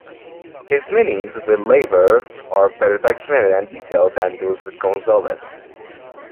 His meetings with Laver are better documented and detailed than those with Gonzales.